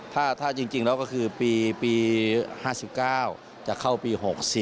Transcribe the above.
ถ้าจริงแล้วก็คือปี๕๙จะเข้าปี๖๔